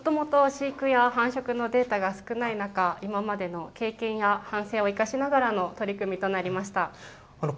もともと飼育や繁殖のデータが少ない中、今までの経験や反省を生かしながらの取り組みとなりました。